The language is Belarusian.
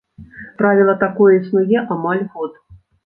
Правіла такое існуе амаль год.